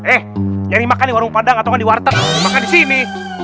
eh yang dimakan di warung padang atau di warteg dimakan di sini